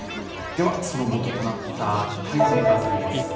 では、そのもととなった台風に関するニュース。